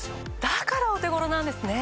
だからお手頃なんですね。